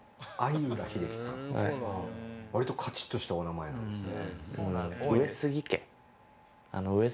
割とかちっとしたお名前なんですね。